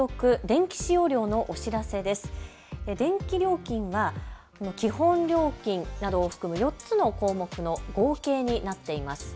電気料金は基本料金などを含む４つの項目の合計になっています。